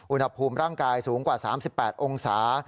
อุณหภูมิร่างกายสูงกว่า๓๘องศา